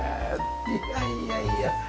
いやいやいや。